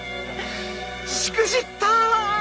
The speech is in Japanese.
しくじった！